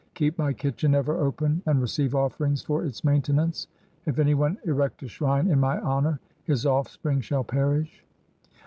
' Keep my kitchen ever open, and receive offerings for its maintenance. If any one erect a shrine in my honour, his offspring shall perish.'